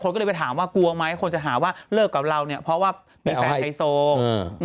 คนก็เลยไปถามว่ากลัวไหมคนจะหาว่าเลิกกับเราเพราะว่ามีแฟนไฮโซต์